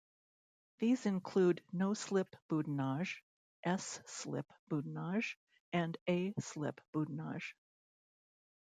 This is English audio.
These include no-slip boudinage, s-slip boudinage, and a-slip boudinage.